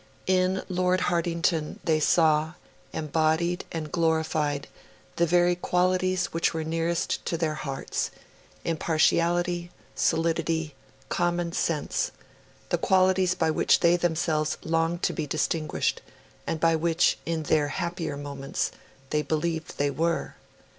In Lord Hartington they saw, embodied and glorified, the very qualities which were nearest to their hearts impartiality, solidity, common sense the qualities by which they themselves longed to be distinguished, and by which, in their happier moments, they believed they were.